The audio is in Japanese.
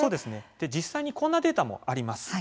実際にこんなデータもあります。